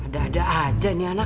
ada ada aja nih anak